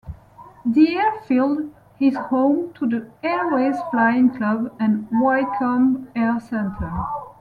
The airfield is home to the Airways Flying Club and Wycombe Air Centre.